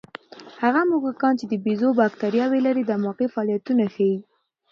هغه موږکان چې د بیزو بکتریاوې لري، دماغي فعالیتونه ښيي.